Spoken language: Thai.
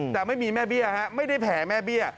แต่ไม่มีแม่เบี้ยฮะไม่ได้แผลแม่เบี้ย